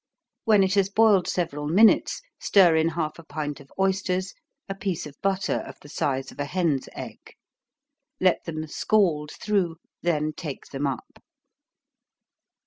When it has boiled several minutes, stir in half a pint of oysters, a piece of butter, of the size of a hen's egg. Let them scald through, then take them up.